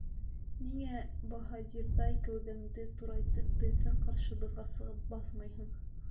Ниңә, баһадирҙәй кәүҙәңде турайтып, беҙҙең ҡаршыбыҙға сығып баҫмайһың?